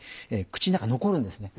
口の中残るんですね